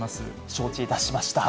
承知いたしました。